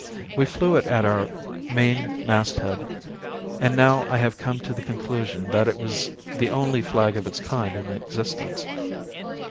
We flew it at our main mast head, and now I have come to the conclusion that it was the only flag of its kind in existence.